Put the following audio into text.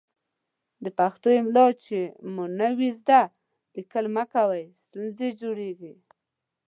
د پښتو املا چې مو نه وي ذده، ليکل مه کوئ ستونزې جوړوي.